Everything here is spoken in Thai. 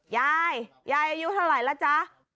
ยายยายอายุเท่าไหร่แล้วจ๊ะ